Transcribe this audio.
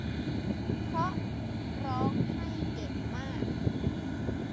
เพราะร้องไห้เก่งมาก